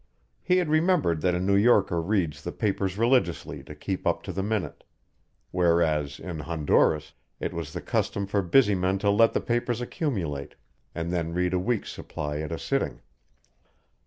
He had remembered that a New Yorker reads the papers religiously to keep up to the minute; whereas, in Honduras, it was the custom for busy men to let the papers accumulate and then read a week's supply at a sitting.